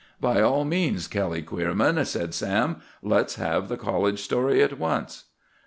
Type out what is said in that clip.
"By all means, Kelly Queerman," said Sam, "let's have the college story at once!"